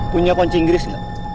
punya koncing gris gak